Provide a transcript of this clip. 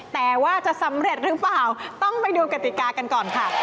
แต่ว่าจะสำเร็จหรือเปล่าต้องไปดูกติกากันก่อนค่ะ